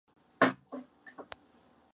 Z mého pohledu by to bylo myslím užitečné.